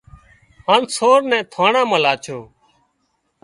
هانَ سور نين ٿاڻان مان لاڇو